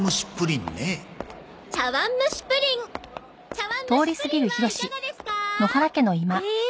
茶わんむしプリンはいかがですかー。